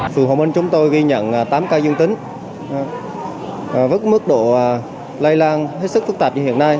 phường hòa minh chúng tôi ghi nhận tám ca dương tính với mức độ lây lan hết sức phức tạp như hiện nay